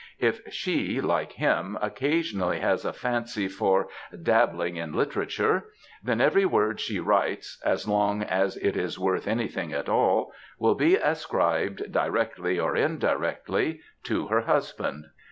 If she, like him, occasionally has a fancy for ^^ dabbling in literature,'*^ then every word she writes (as long as it is worth anything at all) will be ascribed directly or indirectly to her husband.